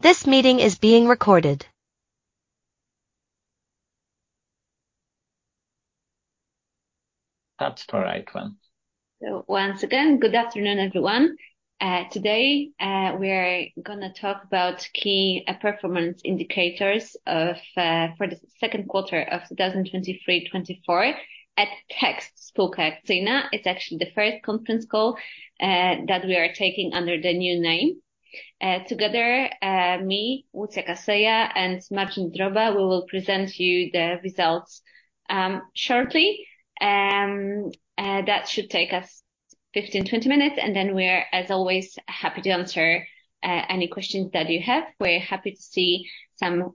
So once again, good afternoon, everyone. Today, we are gonna talk about key performance indicators of for the second quarter of 2023/2024 at Text Spółka Akcyjna. It's actually the first conference call that we are taking under the new name. Together, me, Łucja Kaseja, and Marcin Droba, we will present you the results shortly. That should take us 15-20 minutes, and then we are, as always, happy to answer any questions that you have. We're happy to see some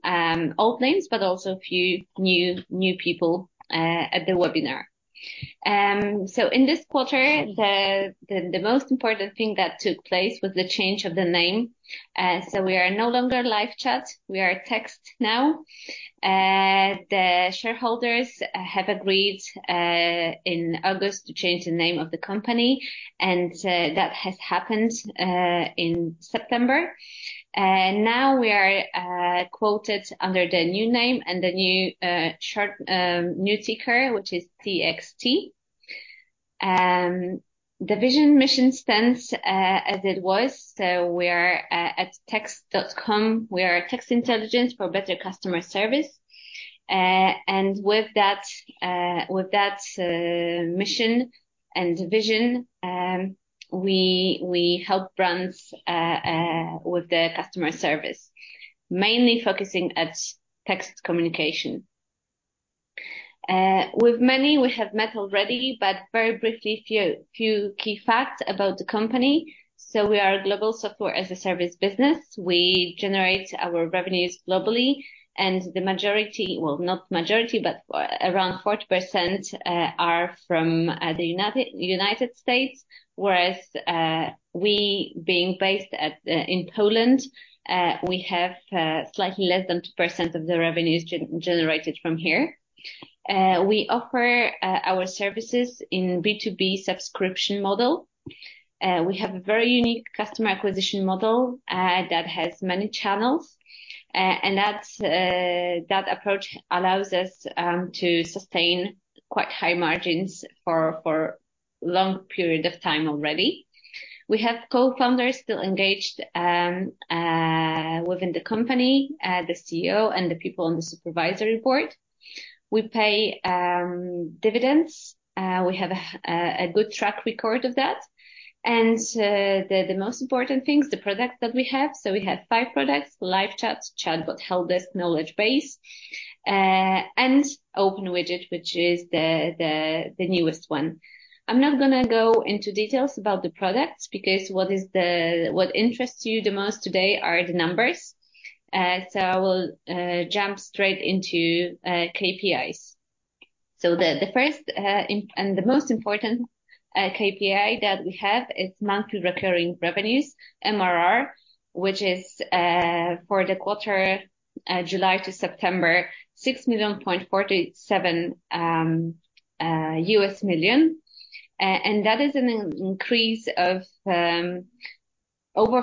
old names, but also a few new people at the webinar. So in this quarter, the most important thing that took place was the change of the name. So we are no longer LiveChat, we are Text now. The shareholders have agreed in August to change the name of the company, and that has happened in September. Now we are quoted under the new name and the new short new ticker, which is TXT. The vision mission stands as it was, so we are at text.com. We are text intelligence for better customer service. And with that, with that mission and vision, we help brands with their customer service, mainly focusing at text communication. With many, we have met already, but very briefly, few key facts about the company. So we are a global software-as-a-service business. We generate our revenues globally, and the majority... Well, not majority, but around 40% are from the United States. Whereas, we, being based at, in Poland, we have slightly less than 2% of the revenues generated from here. We offer our services in B2B subscription model. We have a very unique customer acquisition model that has many channels. And that approach allows us to sustain quite high margins for long period of time already. We have co-founders still engaged within the company, the CEO and the people on the supervisory board. We pay dividends. We have a good track record of that. And the most important thing is the products that we have. So we have five products: LiveChat, ChatBot, HelpDesk, KnowledgeBase, and OpenWidget, which is the newest one. I'm not gonna go into details about the products, because what interests you the most today are the numbers. I will jump straight into KPIs. The first and the most important KPI that we have is monthly recurring revenues, MRR, which is for the quarter July to September, $6.47 million. And that is an increase of over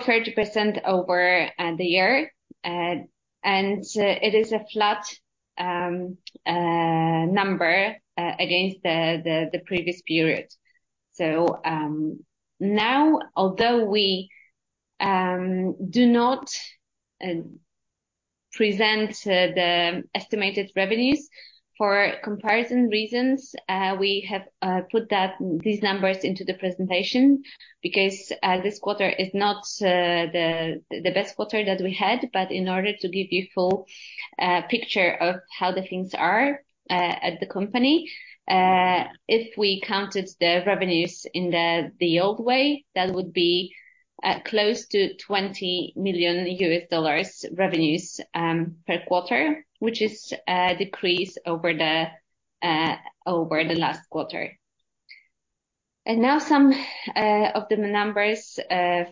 30% over the year. And it is a flat number against the previous period. Now, although we do not present the estimated revenues, for comparison reasons, we have put these numbers into the presentation because this quarter is not the best quarter that we had. But in order to give you full picture of how the things are at the company, if we counted the revenues in the old way, that would be close to $20 million revenues per quarter, which is a decrease over the last quarter. And now some of the numbers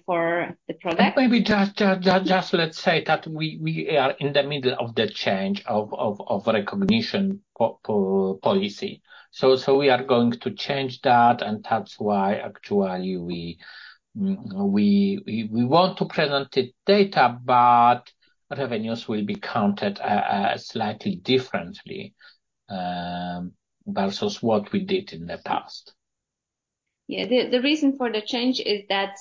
for the product. Maybe just let's say that we are in the middle of the change of recognition policy. So we are going to change that, and that's why actually we want to present the data, but revenues will be counted slightly differently versus what we did in the past. Yeah. The reason for the change is that,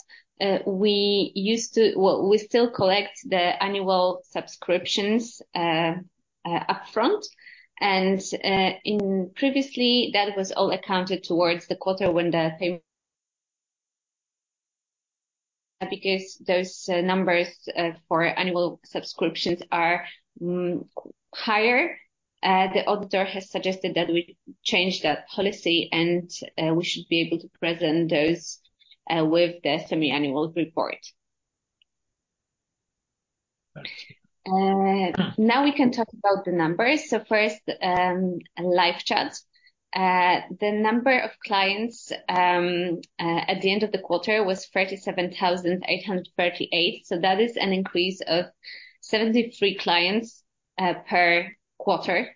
we used to, well, we still collect the annual subscriptions upfront, and previously that was all accounted towards the quarter. Because those numbers for annual subscriptions are higher, the auditor has suggested that we change that policy, and we should be able to present those with the semi-annual report. Thank you. Now we can talk about the numbers. So first, LiveChat. The number of clients at the end of the quarter was 37,838. So that is an increase of 73 clients per quarter.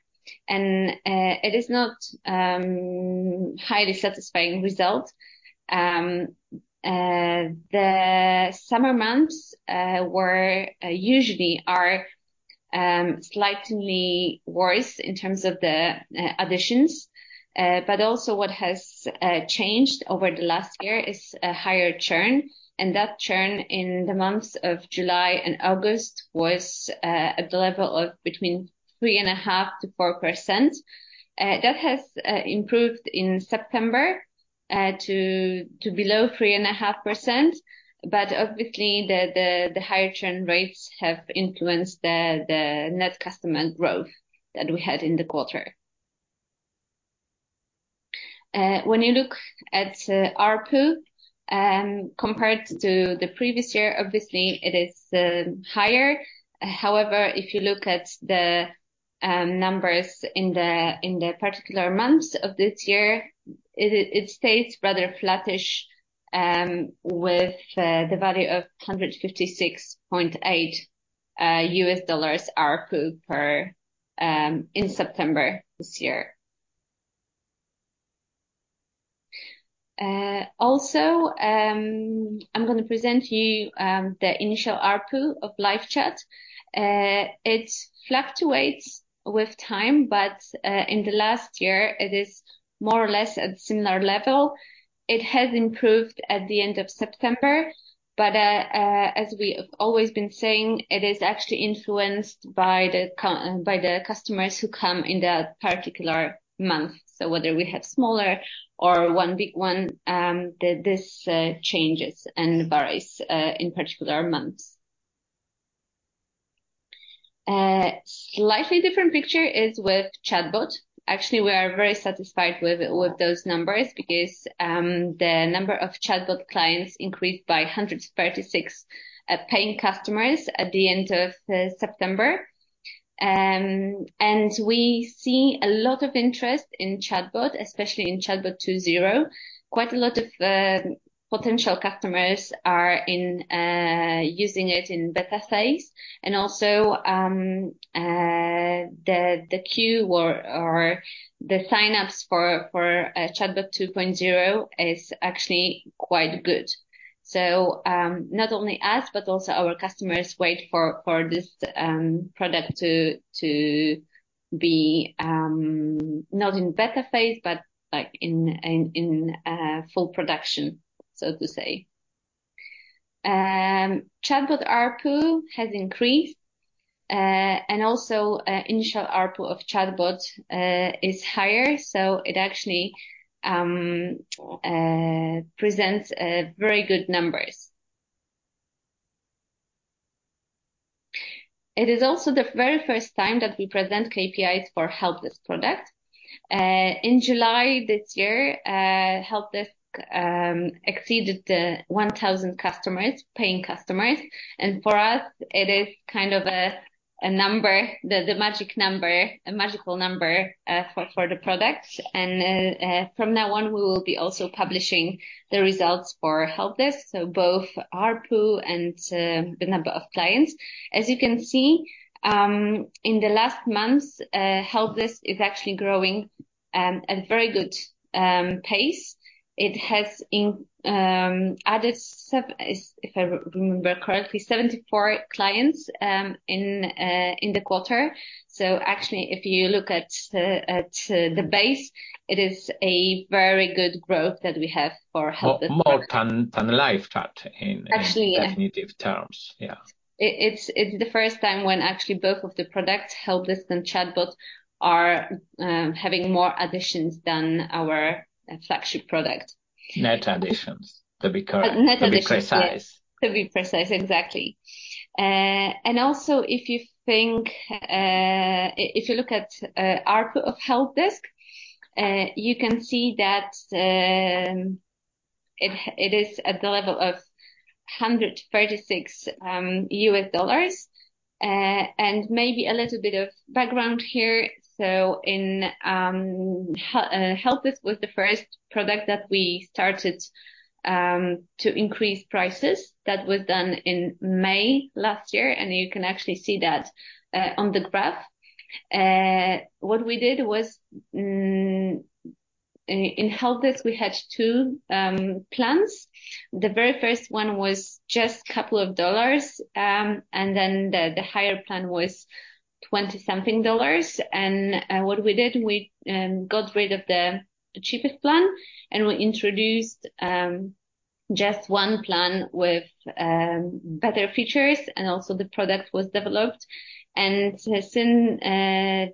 And it is not highly satisfying result. The summer months were, usually are, slightly worse in terms of the additions. But also what has changed over the last year is a higher churn, and that churn in the months of July and August was at the level of between 3.5%-4%. That has improved in September to below 3.5%, but obviously, the higher churn rates have influenced the net customer growth that we had in the quarter. When you look at ARPU compared to the previous year, obviously it is higher. However, if you look at the numbers in the particular months of this year, it stays rather flattish with the value of $156.8 ARPU per in September this year. Also, I'm gonna present you the initial ARPU of LiveChat. It fluctuates with time, but in the last year, it is more or less at similar level. It has improved at the end of September, but as we have always been saying, it is actually influenced by the customers who come in that particular month. So whether we have smaller or one big one, this changes and varies in particular months. A slightly different picture is with ChatBot. Actually, we are very satisfied with those numbers because the number of ChatBot clients increased by 136 paying customers at the end of September. And we see a lot of interest in ChatBot, especially in ChatBot 2.0. Quite a lot of potential customers are using it in beta phase, and also the queue or the signups for ChatBot 2.0 is actually quite good. So, not only us, but also our customers wait for this product to be not in beta phase, but like in full production, so to say. ChatBot ARPU has increased, and also initial ARPU of ChatBot is higher, so it actually presents very good numbers. It is also the very first time that we present KPIs for HelpDesk product. In July this year, HelpDesk exceeded 1,000 paying customers, and for us, it is kind of a number, the magic number, a magical number, for the product. From now on, we will be also publishing the results for HelpDesk, so both ARPU and the number of clients. As you can see, in the last months, HelpDesk is actually growing at very good pace. It has added, if I remember correctly, 74 clients in the quarter. Actually, if you look at the base, it is a very good growth that we have for HelpDesk. More than LiveChat in definitive terms. Yeah. It's the first time when actually both of the products, HelpDesk and ChatBot, are having more additions than our flagship product. Net additions, to be clear. Net additions To be precise. To be precise, exactly. And also, if you think, if you look at ARPU of HelpDesk, you can see that it is at the level of $136. And maybe a little bit of background here. So HelpDesk was the first product that we started to increase prices. That was done in May last year, and you can actually see that on the graph. What we did was in HelpDesk, we had two plans. The very first one was just couple of dollars, and then the higher plan was $20-something. And what we did, we got rid of the cheapest plan, and we introduced just one plan with better features, and also the product was developed. And since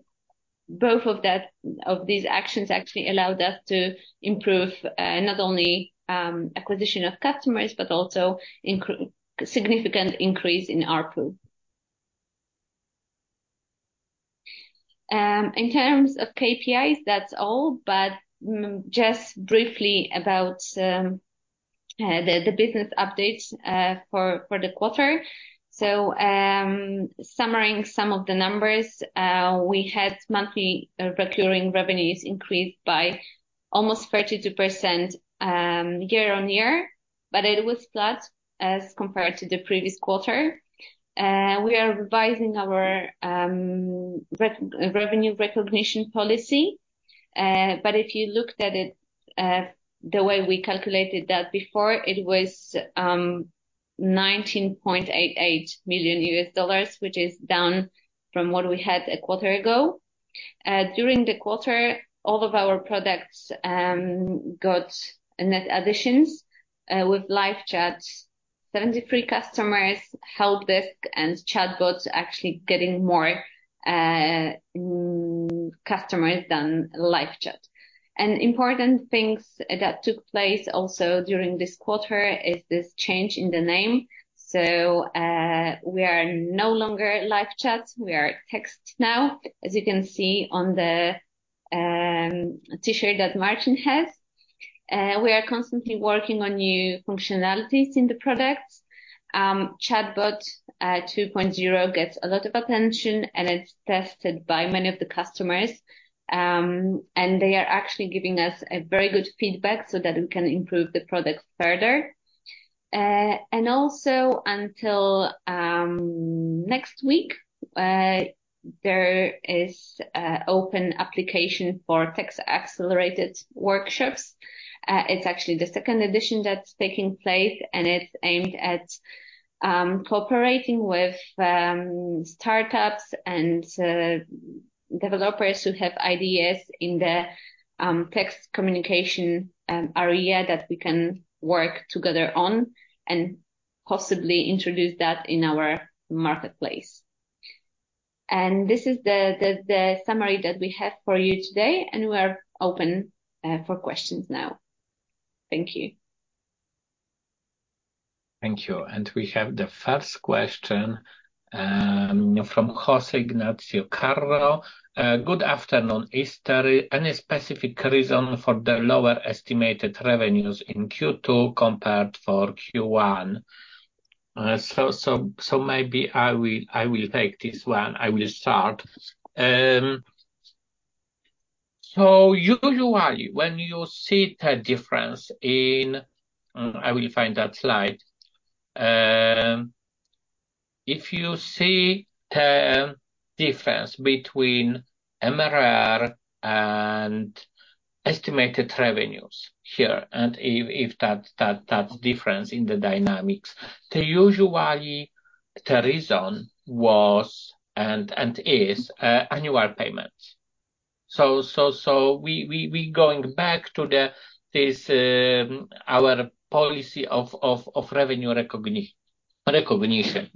both of these actions actually allowed us to improve not only acquisition of customers, but also significant increase in ARPU. In terms of KPIs, that's all, but just briefly about the business updates for the quarter. So summarizing some of the numbers, we had monthly recurring revenues increased by almost 32%, year-on-year, but it was flat as compared to the previous quarter. We are revising our revenue recognition policy. But if you looked at it the way we calculated that before, it was $19.88 million, which is down from what we had a quarter ago. During the quarter, all of our products got net additions, with LiveChat, 73 customers, HelpDesk and ChatBot actually getting more customers than LiveChat. Important things that took place also during this quarter is this change in the name. So we are no longer LiveChat, we are Text, as you can see on the T-shirt that Marcin has. We are constantly working on new functionalities in the products. ChatBot 2.0 gets a lot of attention, and it's tested by many of the customers. And they are actually giving us a very good feedback so that we can improve the product further. And also until next week, there is open application for Text Accelerated workshops. It's actually the second edition that's taking place, and it's aimed at cooperating with startups and developers who have ideas in the text communication area that we can work together on and possibly introduce that in our marketplace. And this is the summary that we have for you today, and we are open for questions now. Thank you. Thank you. We have the first question from José Ignacio Carro. Good afternoon, Esther. Any specific reason for the lower estimated revenues in Q2 compared to Q1? So maybe I will take this one. I will start. So usually when you see the difference in, I will find that slide. If you see the difference between MRR and estimated revenues here, and if that difference in the dynamics, usually the reason was and is annual payments. So we going back to this our policy of revenue recognition.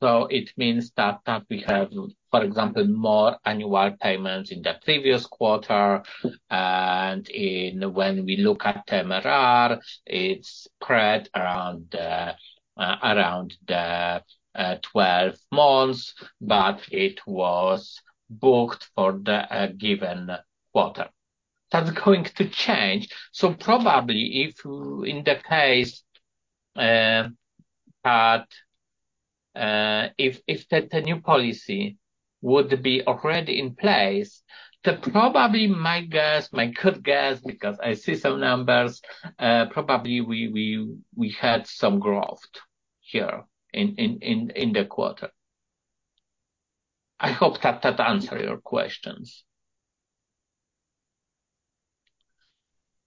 So it means that we have, for example, more annual payments in the previous quarter, and when we look at MRR, it's spread around the 12 months, but it was booked for the given quarter. That's going to change. So probably if in the case that if the new policy would be already in place, then probably my guess, my good guess, because I see some numbers, probably we had some growth here in the quarter. I hope that answers your questions.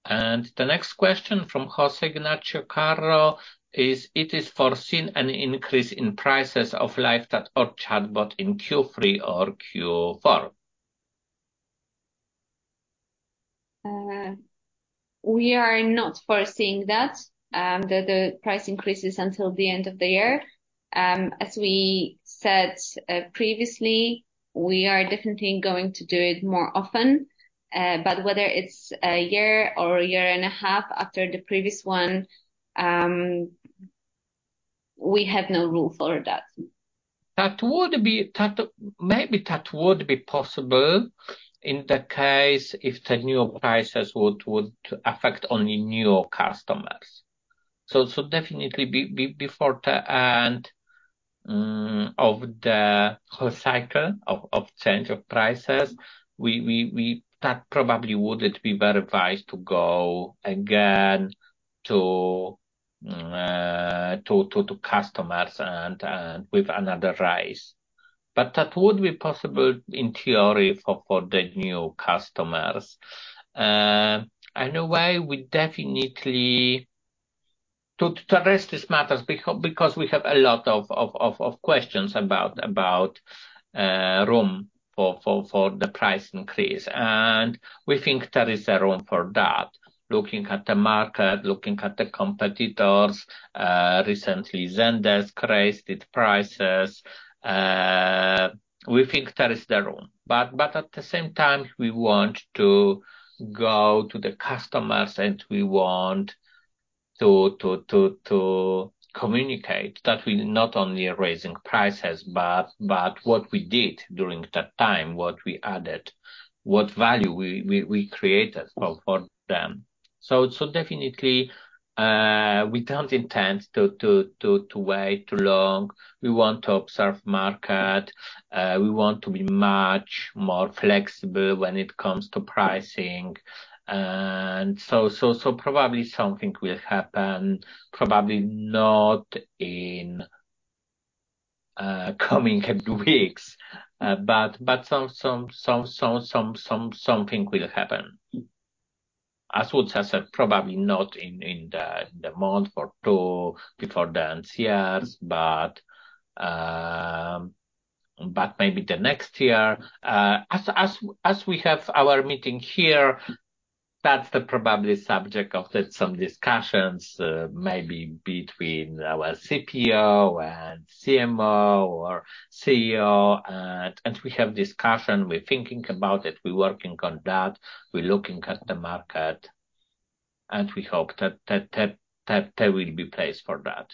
The next question from José Ignacio Carro is: It is foreseen an increase in prices of LiveChat or chatbot in Q3 or Q4? We are not foreseeing that the price increases until the end of the year. As we said previously, we are definitely going to do it more often, but whether it's a year or a year and a half after the previous one, we have no rule for that. That maybe would be possible in the case if the new prices would affect only new customers. So definitely before the end of the whole cycle of change of prices. That probably wouldn't be very wise to go again to customers and with another rise. But that would be possible in theory for the new customers. And the way we definitely to address these matters, because we have a lot of questions about room for the price increase. And we think there is a room for that. Looking at the market, looking at the competitors, recently, Zendesk raised its prices. We think there is the room, but at the same time, we want to go to the customers, and we want to communicate that we not only are raising prices, but what we did during that time, what we added, what value we created for them. So definitely, we don't intend to wait too long. We want to observe market. We want to be much more flexible when it comes to pricing. And so, probably something will happen, probably not in coming up weeks, but something will happen. As I said, probably not in the month or two before the NCS, but maybe the next year. As we have our meeting here, that's the probably subject of the some discussions, maybe between our CPO and CMO or CEO. And we have discussion, we're thinking about it, we're working on that, we're looking at the market, and we hope that there will be place for that.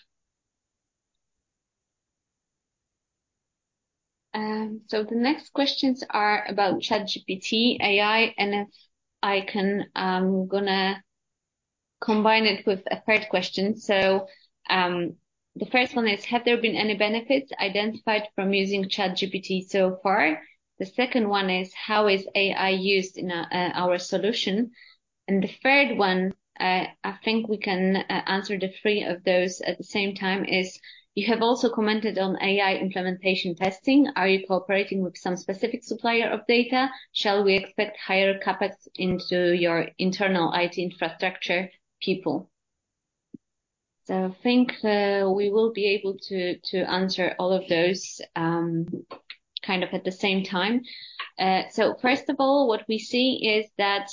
So the next questions are about ChatGPT, AI, and if I can, I'm gonna combine it with a third question. So, the first one is: Have there been any benefits identified from using ChatGPT so far? The second one is: How is AI used in our solution? And the third one, I think we can answer the three of those at the same time, is: You have also commented on AI implementation testing. Are you cooperating with some specific supplier of data? Shall we expect higher CapEx into your internal IT infrastructure people? So I think, we will be able to, to answer all of those, kind of at the same time. So first of all, what we see is that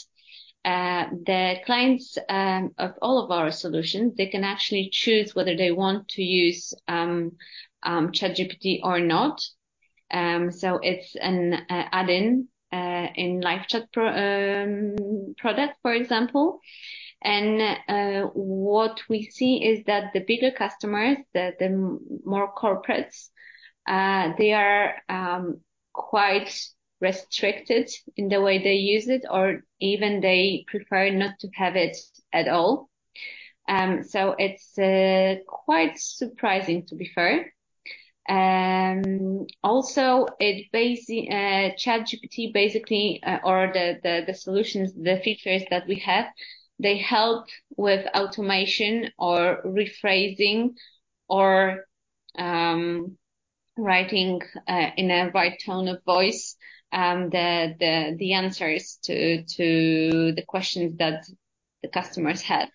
the clients of all of our solutions, they can actually choose whether they want to use ChatGPT or not. So it's an add-in in LiveChat Pro product, for example. And what we see is that the bigger customers, the more corporates, they are quite restricted in the way they use it, or even they prefer not to have it at all. So it's quite surprising, to be fair. Also, ChatGPT basically or the solutions, the features that we have, they help with automation or rephrasing or writing in a right tone of voice, the answers to the questions that the customers have.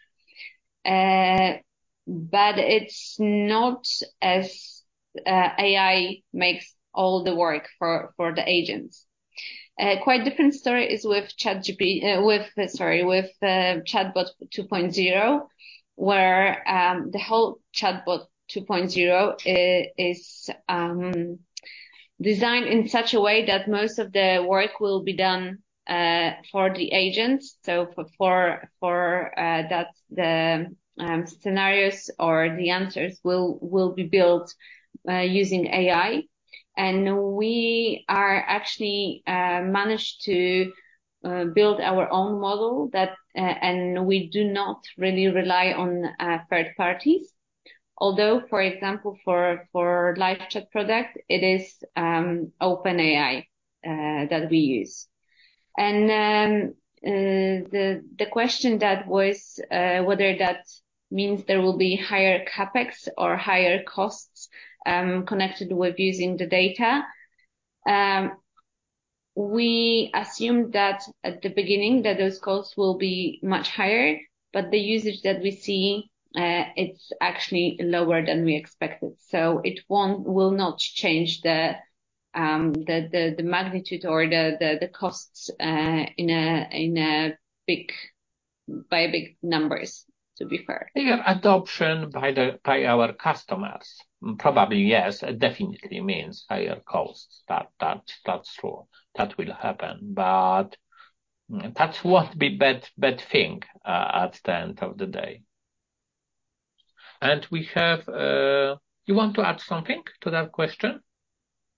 But it's not as AI makes all the work for the agents. Quite different story is with ChatGPT, with, sorry, with, ChatBot 2.0, where the whole ChatBot 2.0 is designed in such a way that most of the work will be done for the agent. So for that the scenarios or the answers will be built using AI. And we are actually managed to build our own model that and we do not really rely on third parties. Although, for example, for LiveChat product, it is OpenAI that we use. And, the question that was whether that means there will be higher CapEx or higher costs connected with using the data, we assumed that at the beginning, that those costs will be much higher, but the usage that we see, it's actually lower than we expected. So it won't, will not change the magnitude or the costs in a big by big numbers, to be fair. Yeah, adoption by our customers, probably yes, it definitely means higher costs. That's true. That will happen, but that won't be a bad thing at the end of the day. And we have, you want to add something to that question?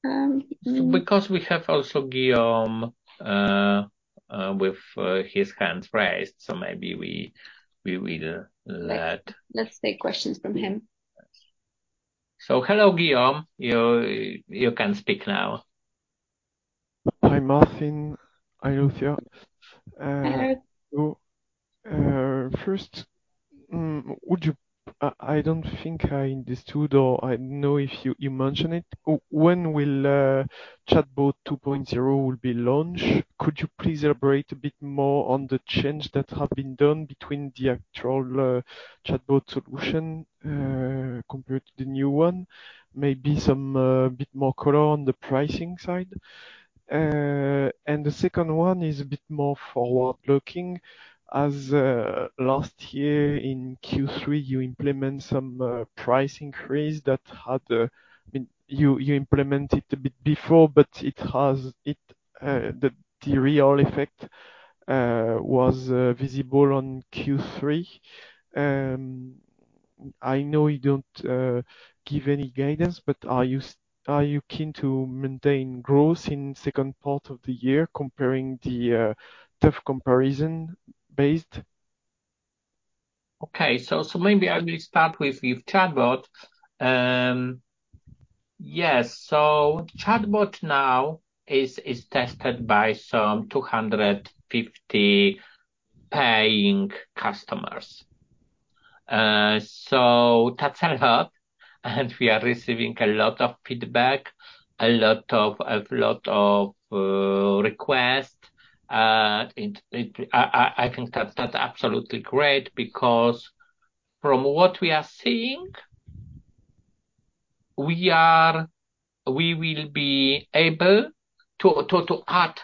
Um, mm. Because we have also Guillaume with his hands raised, so maybe we will let. Let's take questions from him. Hello, Guillaume. You can speak now. Hi, Marcin. Hi, Łucja. Hello. First, I don't think I understood or I know if you mentioned it. When will ChatBot 2.0 will be launched? Could you please elaborate a bit more on the changes that have been done between the actual ChatBot solution compared to the new one? Maybe some bit more color on the pricing side. And the second one is a bit more forward-looking. As last year in Q3, you implement some price increase that had, I mean, you implemented a bit before, but it has it, the real effect was visible on Q3. I know you don't give any guidance, but are you are you keen to maintain growth in second part of the year comparing the tough comparison based? Okay. So maybe I will start with ChatBot. Yes, so ChatBot now is tested by some 250 paying customers. So that's a lot, and we are receiving a lot of feedback, a lot of requests. I think that's absolutely great because from what we are seeing, we will be able to add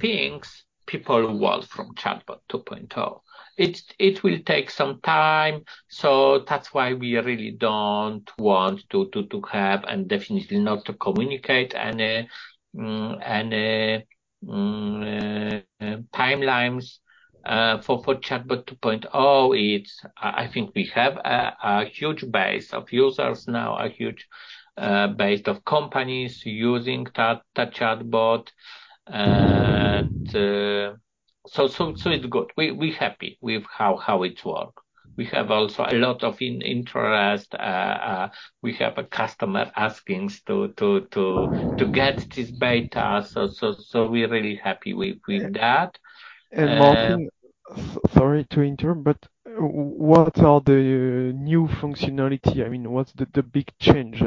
things people want from ChatBot 2.0. It will take some time, so that's why we really don't want to have, and definitely not to communicate any timelines for ChatBot 2.0. I think we have a huge base of users now, a huge base of companies using the ChatBot. So it's good. We're happy with how it works. We have also a lot of interest. We have customers asking to get this beta, so we're really happy with that. Marcin, sorry to interrupt, but what are the new functionality? I mean, what's the big change?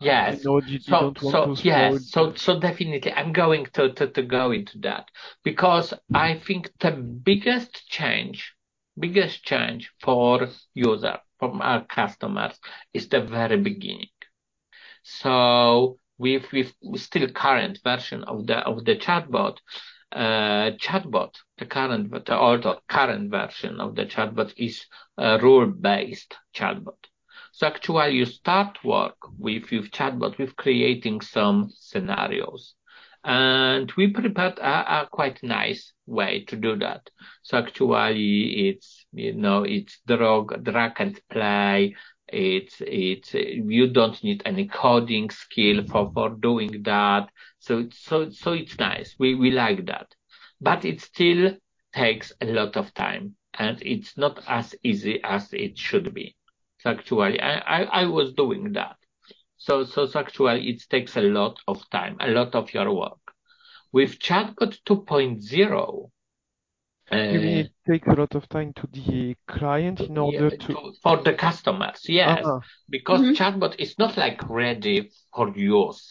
Yes. I know you don't want to. Yes. So definitely, I'm going to go into that because I think the biggest change, biggest change for user, for our customers, is the very beginning. So the current version of the ChatBot is a rule-based ChatBot. So actually, you start work with your ChatBot, with creating some scenarios. And we prepared a quite nice way to do that. So actually, it's, you know, it's drag and play. It's you don't need any coding skill for doing that. So it's nice. We like that. But it still takes a lot of time, and it's not as easy as it should be. So actually, I was doing that. So actually, it takes a lot of time, a lot of your work. With ChatBot 2.0, You mean it take a lot of time to the client in order to. For the customers, yes. Uh-uh. Because ChatBot is not, like, ready for use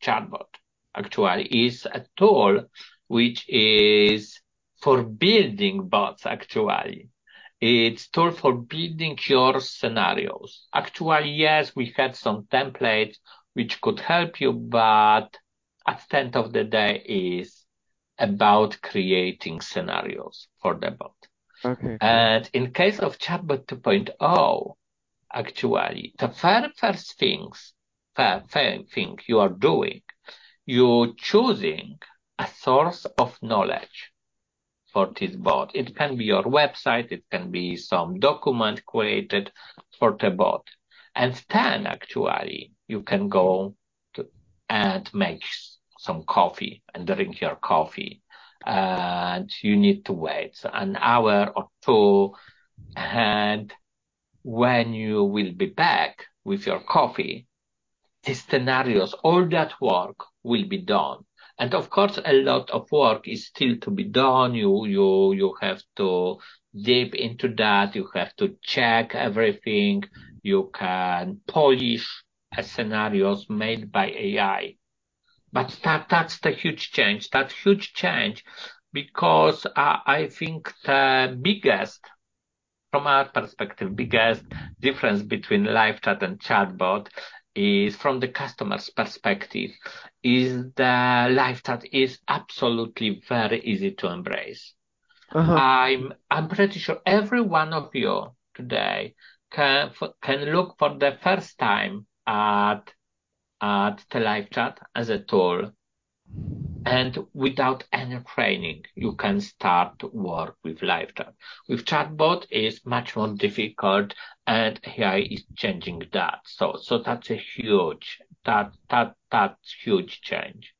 ChatBot. Actually, it's a tool which is for building bots, actually. It's tool for building your scenarios. Actually, yes, we had some templates which could help you, but at the end of the day, is about creating scenarios for the bot. Okay. In case of ChatBot 2.0, actually, the very first thing you are doing, you're choosing a source of knowledge for this bot. It can be your website, it can be some document created for the bot. And then, actually, you can go to and make some coffee and drink your coffee, and you need to wait an hour or two, and when you will be back with your coffee, the scenarios, all that work will be done. And of course, a lot of work is still to be done. You have to dip into that. You have to check everything. You can polish a scenarios made by AI. But that, that's the huge change. That's a huge change because I think the biggest, from our perspective, biggest difference between LiveChat and ChatBot is from the customer's perspective, is the LiveChat is absolutely very easy to embrace. Uh-huh. I'm pretty sure every one of you today can look for the first time at the LiveChat as a tool, and without any training, you can start work with LiveChat. With ChatBot, it's much more difficult, and AI is changing that. So that's a huge... That's a huge change.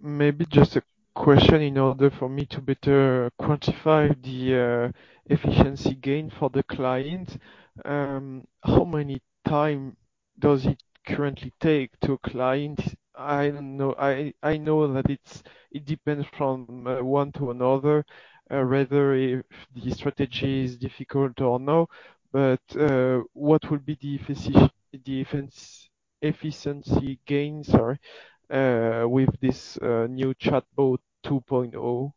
Maybe a question in order for me to better quantify the efficiency gain for the client. How many time does it currently take to a client? I don't know. I know that it depends from one to another, whether if the strategy is difficult or no, but what would be the efficiency gain, sorry, with this new ChatBot 2.0?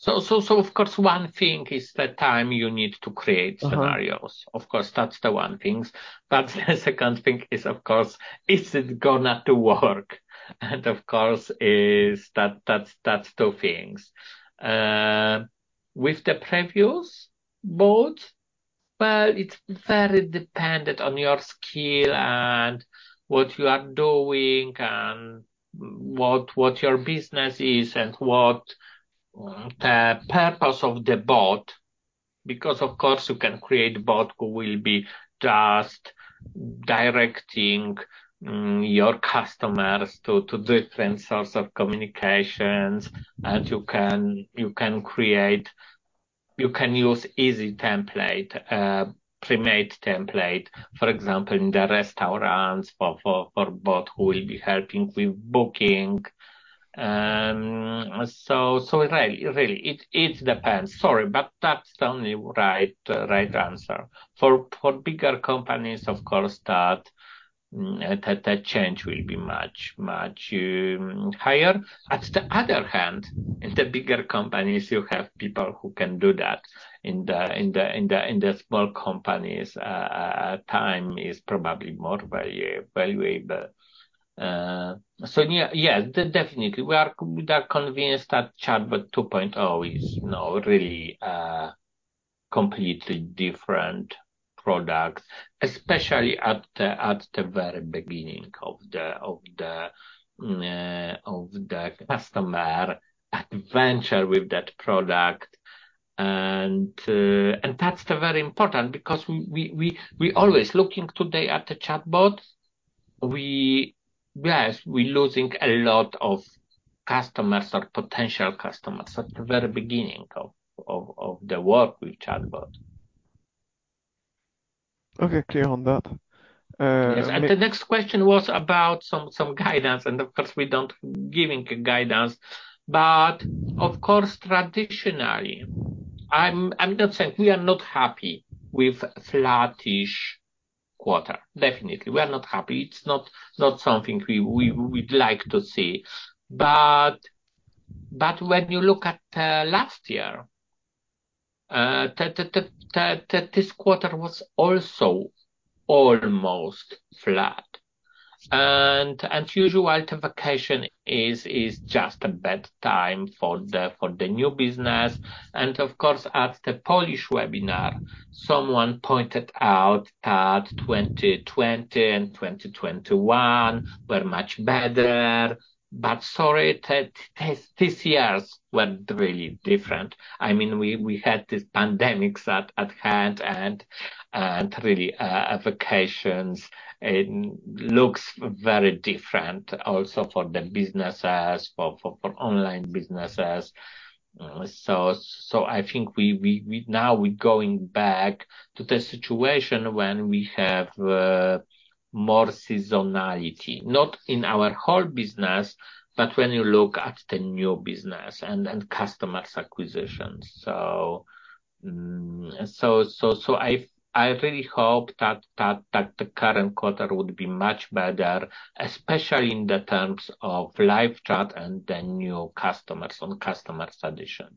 So, of course, one thing is the time you need to create scenarios. Of course, that's the one things. But the second thing is, of course, is it gonna to work? And of course, is that, that's, that's two things. With the previous bot, well, it's very dependent on your skill and what you are doing and what, what your business is, and what, the purpose of the bot, because, of course, you can create bot who will be just directing, your customers to, to different source of communications. And you can, you can create, you can use easy template, pre-made template, for example, in the restaurants for, for, for bot who will be helping with booking. So, so really, really, it, it depends. Sorry, but that's the only right, right answer. For, for bigger companies, of course, that, the, the change will be much, much, higher. On the other hand, in the bigger companies, you have people who can do that. In the small companies, time is probably more valuable. So yeah, yeah, definitely, we are convinced that ChatBot 2.0 is now really completely different products, especially at the very beginning of the customer adventure with that product. And that's very important, because we always looking today at the ChatBot. We, yes, we're losing a lot of customers or potential customers at the very beginning of the work with ChatBot. Okay. Clear on that, Yes, and the next question was about some guidance, and of course, we don't give guidance, but of course, traditionally, I'm not saying we are not happy with flattish quarter. Definitely, we are not happy. It's not something we would like to see. But when you look at last year, this quarter was also almost flat. And as usual, the vacation is just a bad time for the new business. And of course, at the Polish webinar, someone pointed out that 2020 and 2021 were much better. But sorry, these years were really different. I mean, we had this pandemic at hand and really, vacations look very different also for the businesses, for online businesses. So I think now we're going back to the situation when we have more seasonality, not in our whole business, but when you look at the new business and customer acquisitions. So I really hope that the current quarter would be much better, especially in terms of LiveChat and the new customer additions.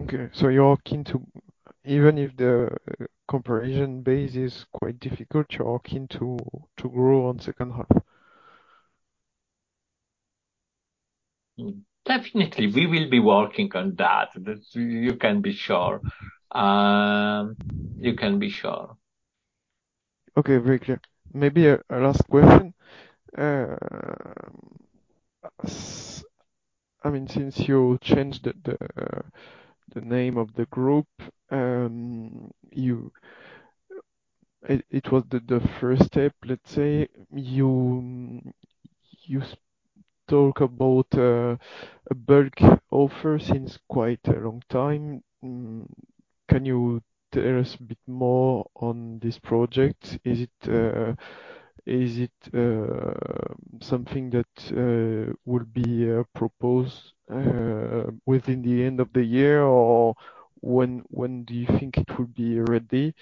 Okay. So you're keen to, even if the comparison base is quite difficult, you're keen to, to grow on second half? Definitely, we will be working on that. That you can be sure. You can be sure. Okay, very clear. Maybe a last question. I mean, since you changed the name of the group, it was the first step, let's say. You talk about a bulk offer since quite a long time. Can you tell us a bit more on this project? Is it something that would be proposed within the end of the year, or when do you think it will be ready?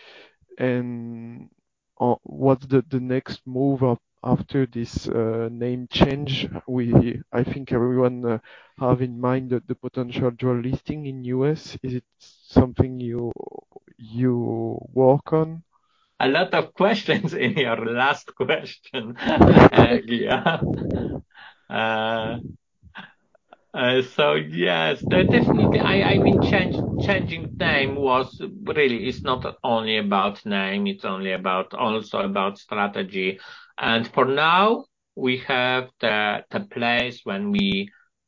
And what's the next move after this name change? I think everyone have in mind that the potential dual listing in U.S., is it something you work on? A lot of questions in your last question, yeah. So yes, definitely. I mean, changing name was really, it's not only about name, it's also about strategy. For now, we have the place where we're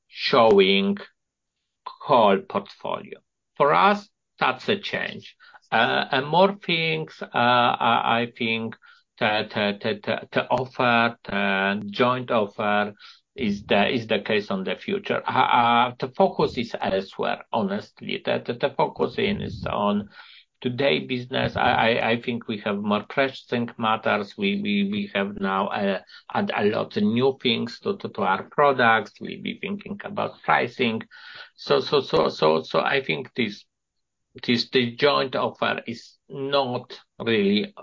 showing the whole portfolio. For us, that's a change. And more things, I think that the joint offer is the case for the future. The focus is elsewhere, honestly. The focus is on today's business. I think we have more pressing matters. We have now added a lot of new things to our products. We'll be thinking about pricing. So I think the joint offer is not really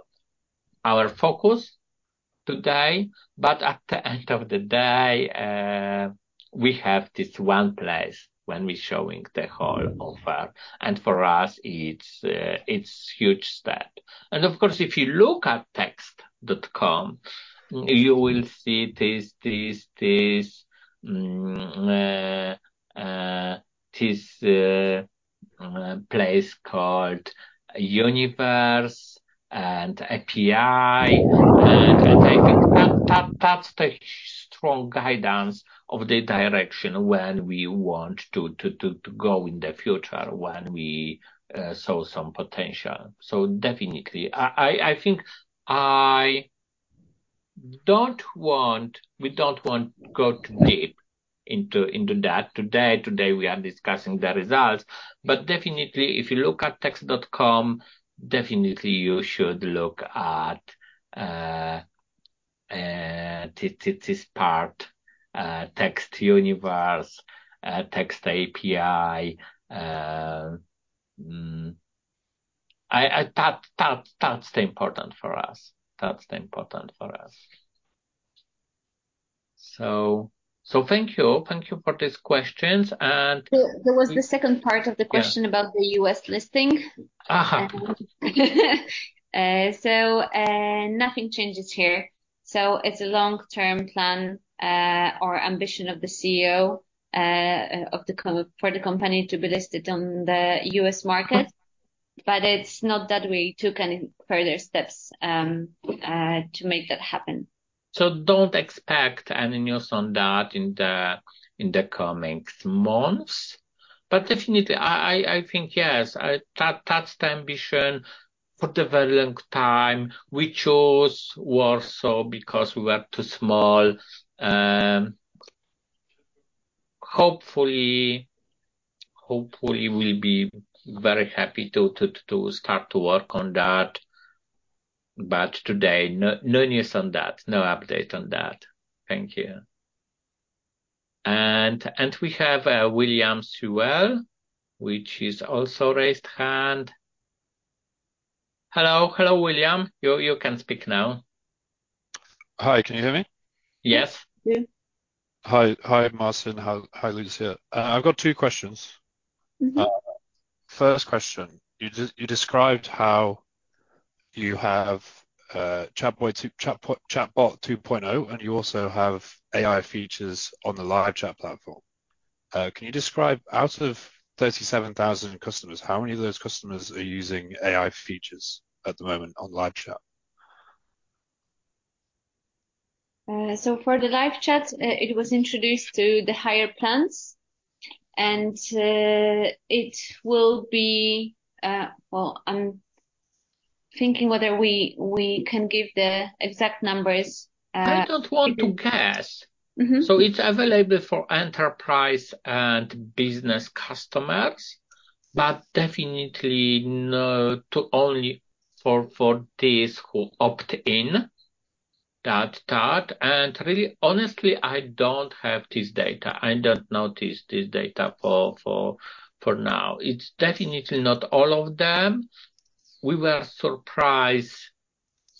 our focus today, but at the end of the day, we have this one place when we're showing the whole offer, and for us, it's huge step. And of course, if you look at Text.com, you will see this place called Universe and API. And I think that's the strong guidance of the direction when we want to go in the future, when we saw some potential. So definitely, I think we don't want to go too deep into that today. Today, we are discussing the results. But definitely, if you look at Text.com, you should look at this part, Text Universe, Text API. That's the important for us. That's the important for us. So thank you. Thank you for these questions. There was the second part of the question about the U.S. listing. Aha! Nothing changes here. It's a long-term plan or ambition of the CEO of the company to be listed on the U.S. market, but it's not that we took any further steps to make that happen. So don't expect any news on that in the coming months. But definitely, I think, yes, I, that's the ambition for the very long time. We chose Warsaw because we were too small. Hopefully, we'll be very happy to start to work on that, but today, no news on that. No update on that. Thank you. And we have William Sewell, which is also raised hand. Hello. Hello, William. You can speak now. Hi, can you hear me? Yes. Yes. Hi. Hi, Marcin. Hi. Hi, Łucja. I've got two questions. Mm-hmm. First question: You described how you have ChatBot 2.0, and you also have AI features on the LiveChat platform. Can you describe, out of 37,000 customers, how many of those customers are using AI features at the moment on LiveChat? So, for the LiveChat, it was introduced to the higher plans, and it will be... Well, I'm thinking whether we can give the exact numbers. I don't want to guess. Mm-hmm. So it's available for enterprise and business customers, but definitely not only for those who opt in. And really, honestly, I don't have this data. I don't know this data for now. It's definitely not all of them. We were surprised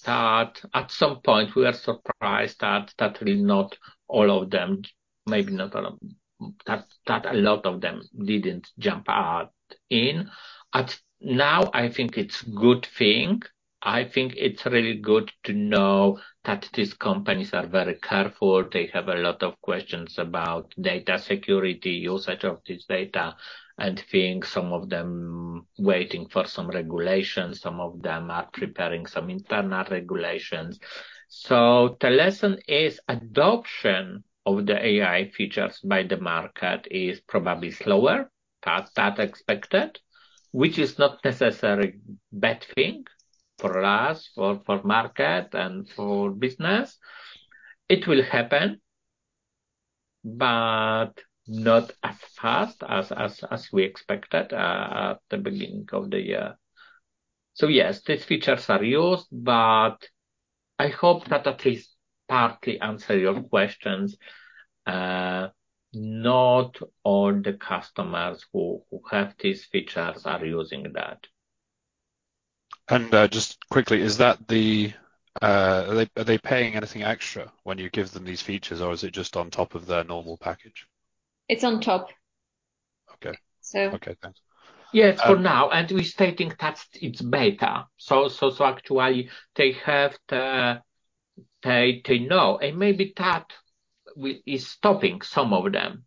that at some point we were surprised that really not all of them, maybe not all of them, a lot of them didn't jump on it. But now, I think it's a good thing. I think it's really good to know that these companies are very careful. They have a lot of questions about data security, usage of this data, and I think some of them are waiting for some regulation, some of them are preparing some internal regulations. So the lesson is, adoption of the AI features by the market is probably slower than expected, which is not necessarily bad thing for us or for market and for business. It will happen, but not as fast as we expected at the beginning of the year. So yes, these features are used, but I hope that at least partly answer your questions. Not all the customers who have these features are using that. Just quickly, are they paying anything extra when you give them these features, or is it just on top of their normal package? It's on top. Okay. Okay, thanks. Yes, for now, and we're stating that it's beta. So actually, they have to pay to know, and maybe that which is stopping some of them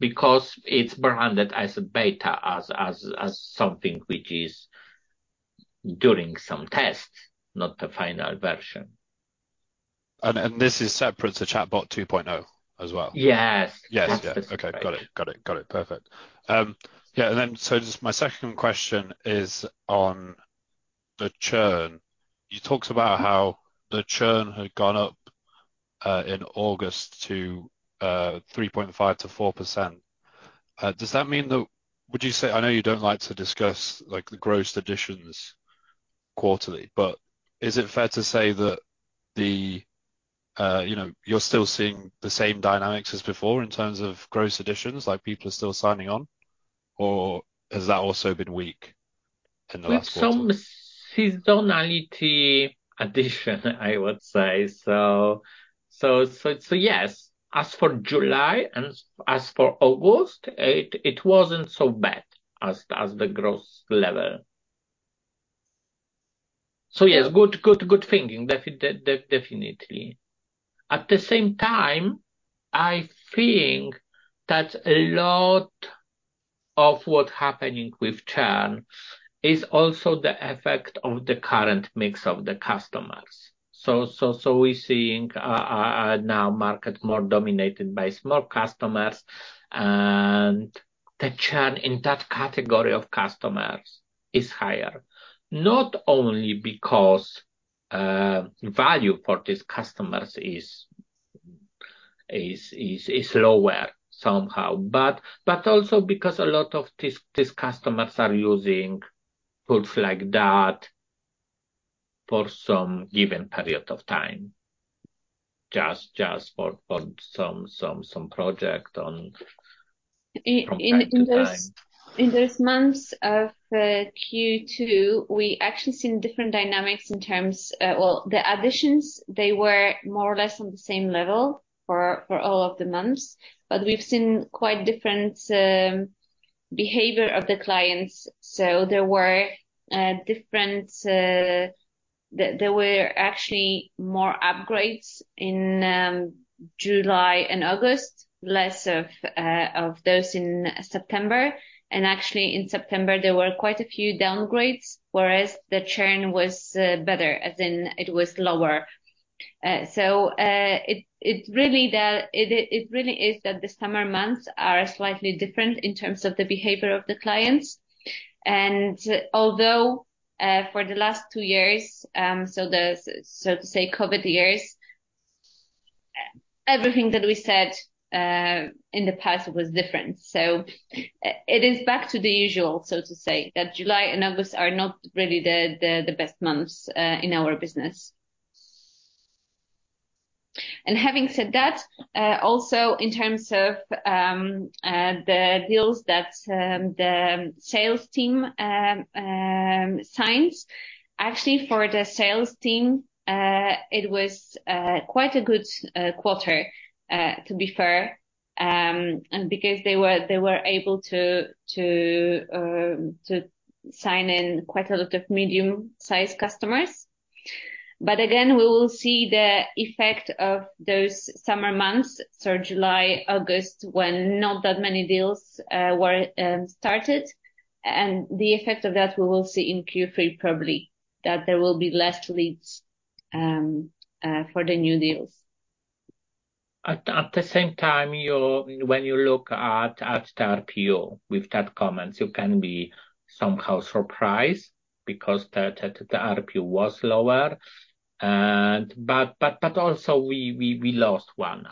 because it's branded as a beta, as something which is during some tests, not the final version. And this is separate to ChatBot 2.0 as well? Yes. Yes, yeah. Okay, got it. Got it. Got it. Perfect. Yeah, and then so just my second question is on the churn. You talked about how the churn had gone up in August to 3.5%-4%. Does that mean that, would you say. I know you don't like to discuss, like, the gross additions quarterly, but is it fair to say that the, you know, you're still seeing the same dynamics as before in terms of gross additions, like people are still signing on? Or has that also been weak in the last quarter? With some seasonality addition, I would say so. So yes, as for July and as for August, it wasn't so bad as the gross level. So yes, good thinking, definitely. At the same time, I think that a lot of what's happening with churn is also the effect of the current mix of the customers. So we're seeing a now market more dominated by small customers, and the churn in that category of customers is higher. Not only because value for these customers is lower somehow, but also because a lot of these customers are using tools like that for some given period of time, just for some project from time to time. In those months of Q2, we actually seen different dynamics in terms. Well, the additions, they were more or less on the same level for all of the months, but we've seen quite different behavior of the clients. So there were actually more upgrades in July and August, less of those in September. And actually, in September, there were quite a few downgrades, whereas the churn was better, as in it was lower. So it really is that the summer months are slightly different in terms of the behavior of the clients. And although for the last two years, so to say, COVID years, everything that we said in the past was different. So it is back to the usual, so to say, that July and August are not really the best months in our business. And having said that, also in terms of the deals that the sales team signs, actually, for the sales team it was quite a good quarter, to be fair, and because they were able to sign quite a lot of medium-sized customers. But again, we will see the effect of those summer months, so July, August, when not that many deals were started. And the effect of that, we will see in Q3, probably, that there will be less leads for the new deals. At the same time, you're, when you look at the RPO with that comments, you can be somehow surprised because the RPO was lower. But also we lost one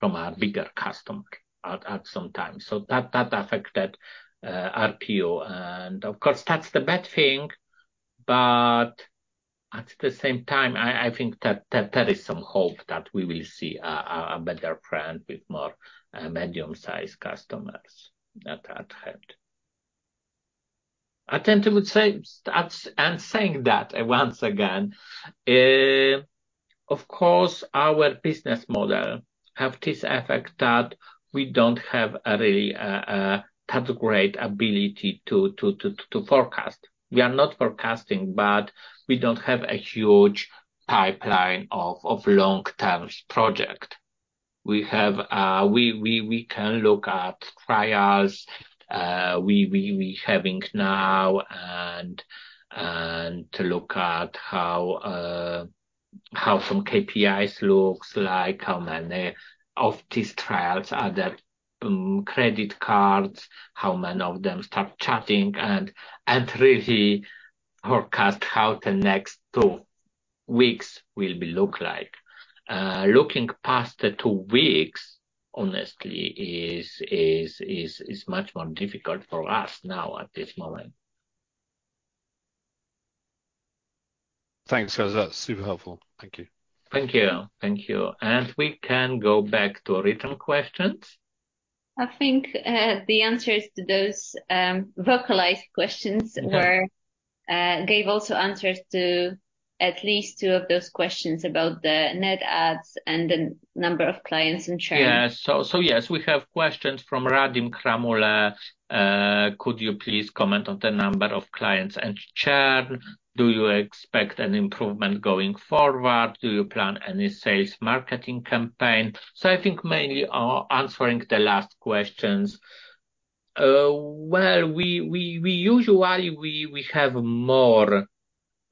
from our bigger customer at some time. So that affected RPO. And of course, that's the bad thing, but at the same time, I think that there is some hope that we will see a better trend with more medium-sized customers at hand. I think I would say, and saying that once again, of course, our business model have this effect that we don't have a really that great ability to forecast. We are not forecasting, but we don't have a huge pipeline of long-term project. We have, we can look at trials, we having now and to look at how, how some KPIs looks like, how many of these trials are there, credit cards, how many of them start chatting, and really forecast how the next two weeks will be look like. Looking past the two weeks, honestly, is much more difficult for us now at this moment. Thanks, guys. That's super helpful. Thank you. Thank you. Thank you. We can go back to written questions. I think, the answers to those vocalized questions were, gave also answers to at least two of those questions about the net adds and the number of clients and churn. Yeah. So yes, we have questions from Radim Kramule. Could you please comment on the number of clients and churn? Do you expect an improvement going forward? Do you plan any sales marketing campaign? So I think mainly answering the last questions. Well, we usually have more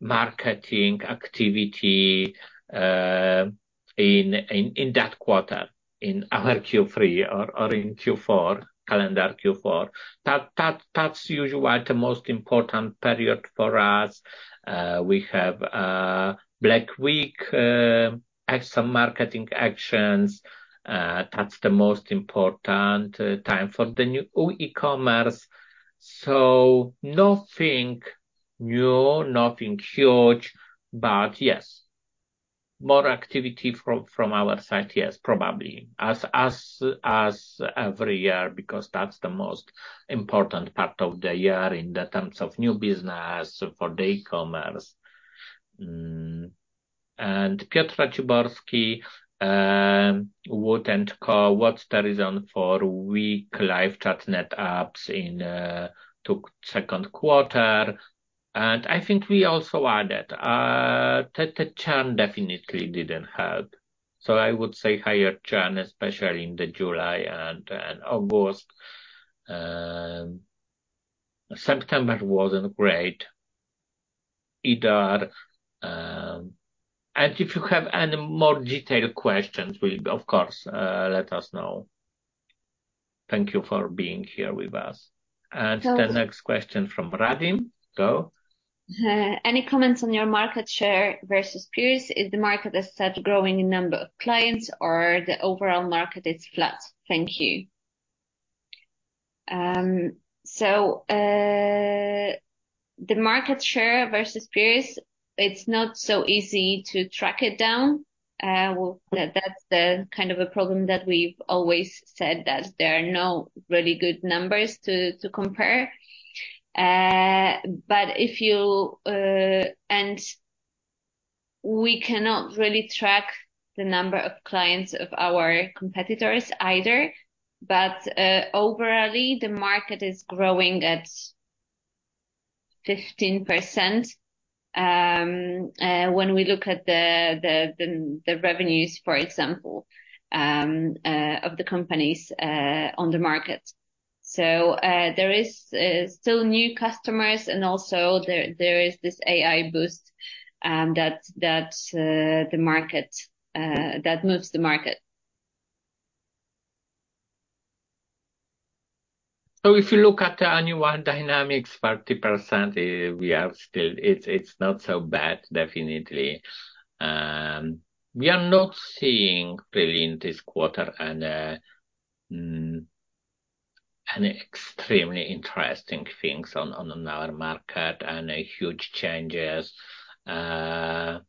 marketing activity in that quarter, in our Q3 or in Q4, calendar Q4. That's usually the most important period for us. We have a Black Week, extra marketing actions. That's the most important time for the new e-commerce. So nothing new, nothing huge, but yes, more activity from our side, yes, probably. As every year, because that's the most important part of the year in the terms of new business for the e-commerce. And Piotr Czuborski would tend to call, what's the reason for weak live chat net ups in to second quarter? And I think we also added the churn definitely didn't help. So I would say higher churn, especially in the July and August. September wasn't great either. And if you have any more detailed questions, will you, of course, let us know. Thank you for being here with us. The next question from Radim. Go. Any comments on your market share versus peers? Is the market as such growing in number of clients or the overall market is flat? Thank you. So the market share versus peers, it's not so easy to track it down. That, that's the kind of a problem that we've always said, that there are no really good numbers to compare. But if you, we cannot really track the number of clients of our competitors either. But overall, the market is growing at 15%, when we look at the revenues, for example, of the companies on the market. So there is still new customers, and also there is this AI boost, that the market that moves the market. So if you look at the annual dynamics, 30%, we are still, it's, it's not so bad, definitely. We are not seeing really in this quarter an extremely interesting things on our market and a huge changes. As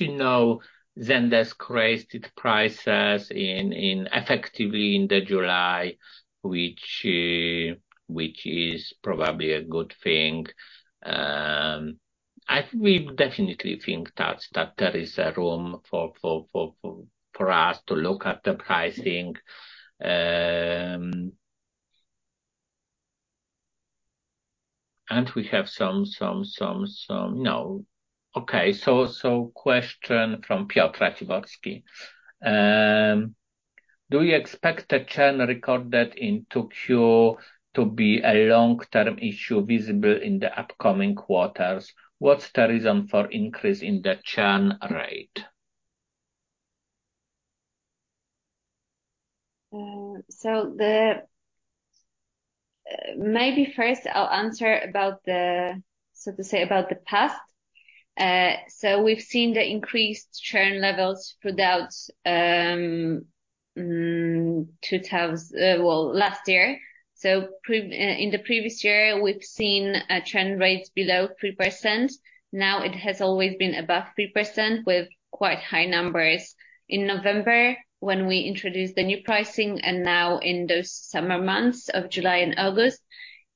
you know, Zendesk raised its prices in effectively in the July, which is probably a good thing. We definitely think that there is a room for us to look at the pricing. And we have some, no. Okay, so question from Piotr Czuborski. Do you expect the churn recorded in 2Q to be a long-term issue visible in the upcoming quarters? What's the reason for increase in the churn rate? So the, maybe first I'll answer about the, so to say, about the past. So we've seen the increased churn levels throughout, well, last year. So pre, in the previous year, we've seen a churn rates below 3%. Now it has always been above 3%, with quite high numbers. In November, when we introduced the new pricing, and now in those summer months of July and August.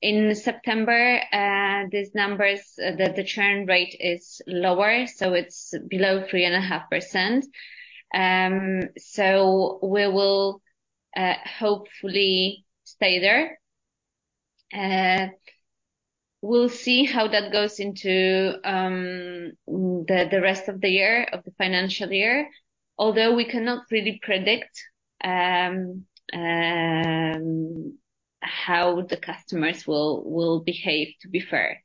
In September, these numbers, the, the churn rate is lower, so it's below 3.5%. So we will, hopefully stay there. We'll see how that goes into, the, the rest of the year, of the financial year. Although we cannot really predict, how the customers will, will behave, to be fair.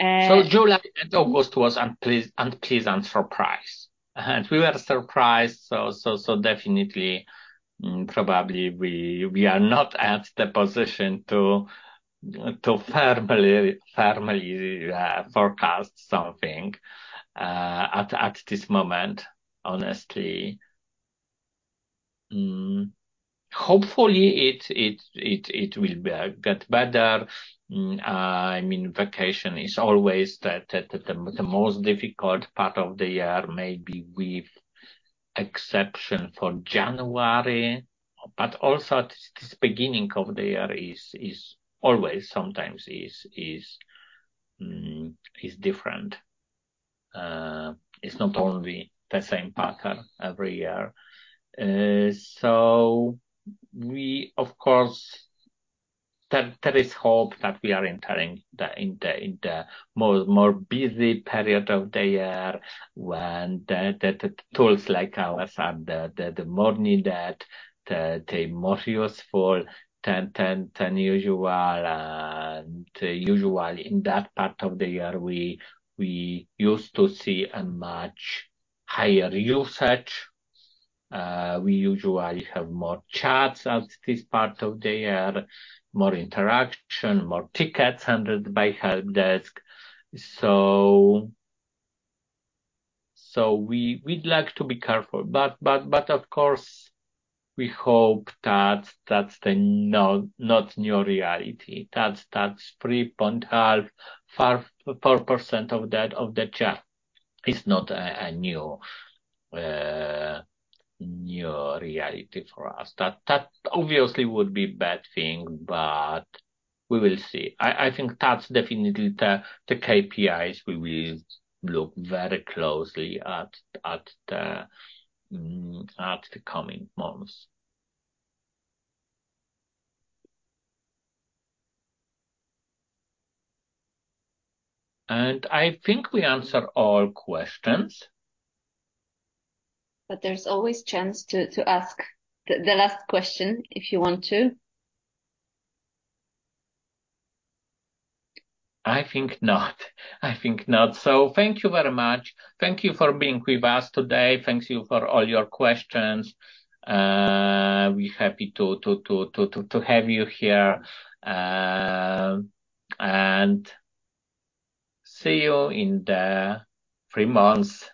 So July and August was unpleasant surprise, and we were surprised, so definitely, probably we are not at the position to firmly forecast something at this moment, honestly. Hopefully, it will get better. I mean, vacation is always the most difficult part of the year, maybe with exception for January. But also, this beginning of the year is always, sometimes is different. It's not only the same pattern every year. So we, of course, there is hope that we are entering the more busy period of the year, when the tools like ours are the more needed, they're more useful than usual. And usually, in that part of the year, we, we used to see a much higher usage. We usually have more chats at this part of the year, more interaction, more tickets handled by HelpDesk. So, so we, we'd like to be careful. But, but, but of course, we hope that that's the no, not new reality. That's, that's 3.5%-4.4% of that, of the chat is not a, a new, new reality for us. That, that obviously would be a bad thing, but we will see. I, I think that's definitely the, the KPIs we will look very closely at, at the, at the coming months. And I think we answered all questions. But there's always chance to ask the last question, if you want to. I think not. I think not. So thank you very much. Thank you for being with us today. Thank you for all your questions. We're happy to have you here. And see you in the three months.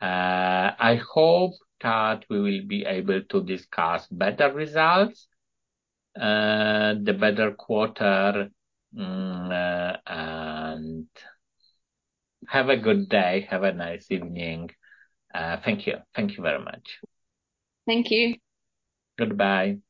I hope that we will be able to discuss better results, the better quarter. And have a good day. Have a nice evening. Thank you. Thank you very much. Thank you. Goodbye.